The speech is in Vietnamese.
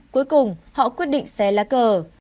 cuối cùng họ quyết định xé lá cờ